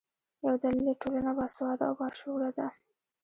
یو دلیل یې ټولنه باسواده او باشعوره ده.